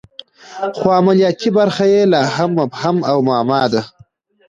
خو عملیاتي برخه یې لا هم مبهم او معما ده